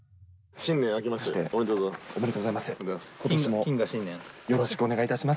新年あけましておめでとうごおめでとうございます。